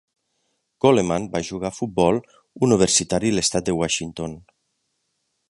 Coleman va jugar a futbol universitari a l'estat de Washington.